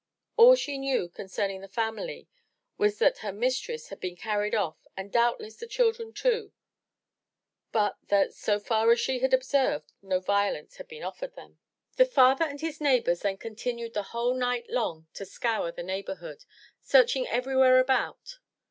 All she knew concerning the family was that her mistress had been carried off and doubtless the children too, but that, so far as she had observed, no violence had been offered them. The father and his neighbors then continued the whole night long to scour the neighborhood, searching everywhere about.